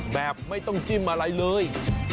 แบบไม่ต้องจิ้มอะไรเลย